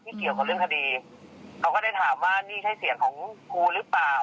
เกี่ยวกับเรื่องคดีเขาก็ได้ถามว่านี่ใช่เสียงของครูหรือเปล่า